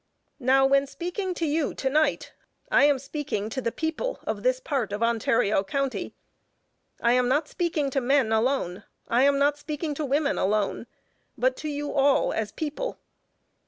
Now, when speaking to you to night, I am speaking to the people of this part of Ontario County, I am not speaking to men alone, I am not speaking to women alone, but to you all as people.